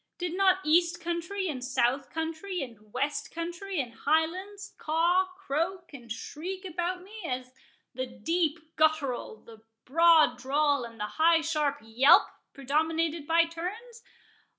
Did not east country, and south country, and west country, and Highlands, caw, croak, and shriek about me, as the deep guttural, the broad drawl, and the high sharp yelp predominated by turns?